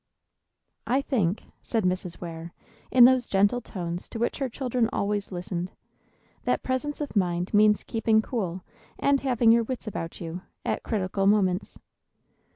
"I think," said Mrs. Ware, in those gentle tones to which her children always listened, "that presence of mind means keeping cool, and having your wits about you, at critical moments.